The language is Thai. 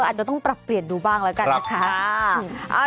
อาจจะต้องปรับเปลี่ยนดูบ้างแล้วกันนะคะ